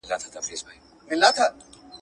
والاشان او عالیشان دي مقامونه.